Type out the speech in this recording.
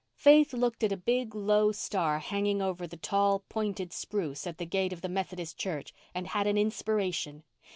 Faith looked at a big, low star hanging over the tall, pointed spruce at the gate of the Methodist Church and had an inspiration.